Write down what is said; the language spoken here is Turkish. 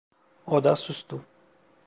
O da sustu.